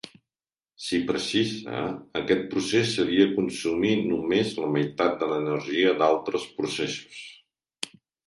Si precisa, aquest procés seria consumir només la meitat de l'energia d'altres processos.